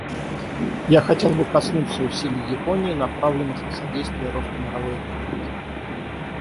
Я хотел бы коснуться усилий Японии, направленных на содействие росту мировой экономики.